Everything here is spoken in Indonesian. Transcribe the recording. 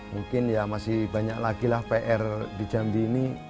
mungkin ya masih banyak lagi lah pr di jambi ini